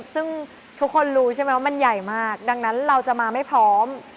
ซึ่งทุกคนรู้ใช่ไหมว่ามันใหญ่มากดังนั้นเราจะมาไม่พร้อม